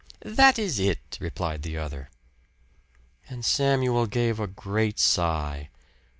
"That is it," replied the other. And Samuel gave a great sigh.